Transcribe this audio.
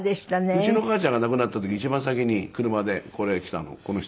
うちの母ちゃんが亡くなった時一番先に車でこれ来たのこの人。